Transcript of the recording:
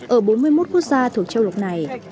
ở bốn mươi một quốc gia thuộc châu lục này